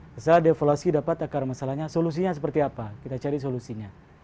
misalnya devaluasi dapat akar masalahnya solusinya seperti apa kita cari solusinya